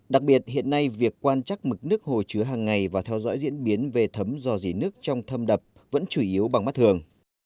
đặc biệt hiện nay việc quan trắc mực nước hồ chứa hàng ngày và theo dõi diễn biến về thấm do dỉ nước trong thâm đập vẫn chủ yếu bằng mắt thường